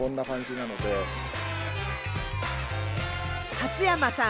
初山さん